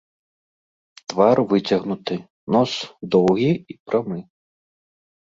Твар выцягнуты, нос доўгі і прамы.